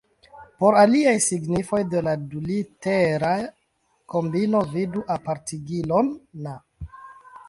Por aliaj signifoj de la dulitera kombino vidu apartigilon Na".